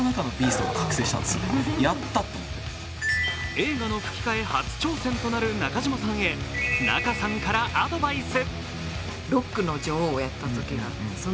映画の吹き替え初挑戦となる中島さんへ、仲さんからアドバイス。